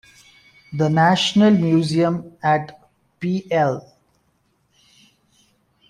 The National Museum at pl.